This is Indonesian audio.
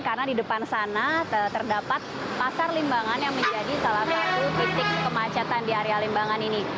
karena di depan sana terdapat pasar limbangan yang menjadi salah satu titik kemacetan di area limbangan ini